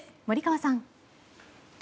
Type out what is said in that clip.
森川さん。